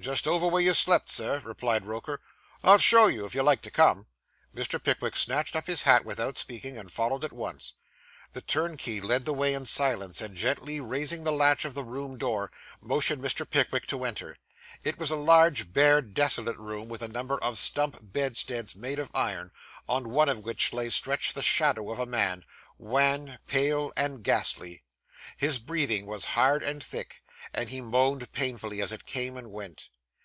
'Just over where you slept, sir,' replied Roker. 'I'll show you, if you like to come.' Mr. Pickwick snatched up his hat without speaking, and followed at once. The turnkey led the way in silence; and gently raising the latch of the room door, motioned Mr. Pickwick to enter. It was a large, bare, desolate room, with a number of stump bedsteads made of iron, on one of which lay stretched the shadow of a man wan, pale, and ghastly. His breathing was hard and thick, and he moaned painfully as it came and went.